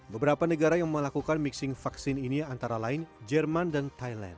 beberapa negara yang melakukan mixing vaksin ini antara lain jerman dan thailand